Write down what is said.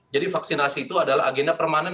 jadi vaksinasi itu adalah agenda permanen